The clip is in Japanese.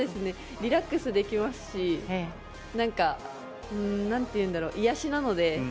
リラックスできますし何て言うんだろう癒やしなので。